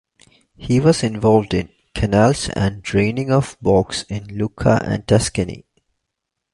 He was involved in canals and draining of bogs in Lucca and Tuscany.